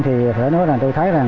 thì phải nói là tôi thấy là